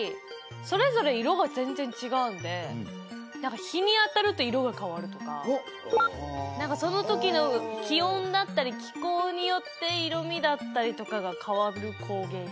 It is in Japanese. それぞれ色が全然違うんで日に当たると色が変わるとかはあその時の気温だったり気候によって色みだったりとかが変わる工芸品？